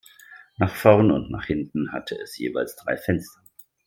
Nach vorn und nach hinten hatte es jeweils drei Fenster.